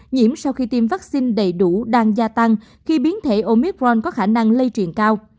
nhiễm sau khi tiêm vaccine đầy đủ đang gia tăng khi biến thể omicron có khả năng lây truyền cao